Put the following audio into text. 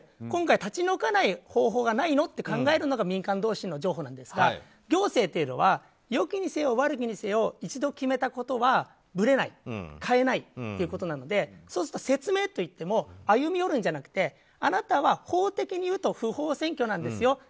今回立ち退かない方法がないの？って考えるのが民間同士の譲歩なんですが行政は良きにせよ悪きにせよ一度決めたことはぶれない、変えないということなのでそうすると説明といっても歩み寄るんじゃなくてあなたは法的に言うと不法占拠なんですよ